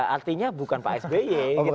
artinya bukan pak sby